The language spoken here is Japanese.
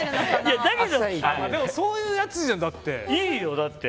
でもそういうやつじゃんだって。